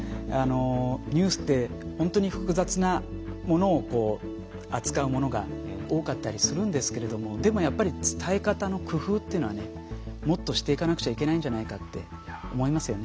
ニュースって本当に複雑なものを扱うものが多かったりするんですけれどもでもやっぱり伝え方の工夫っていうのはねもっとしていかなくちゃいけないんじゃないかって思いますよね。